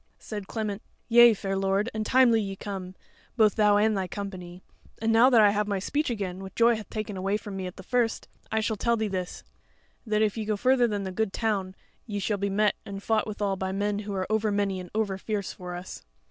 Said Clement: "Yea, fair lord, and timely ye come, both thou and thy company; and now that I have my speech again which joy hath taken away from me at the first, I shall tell thee this, that if ye go further than the good town ye shall be met and fought withal by men who are over many and over fierce for us."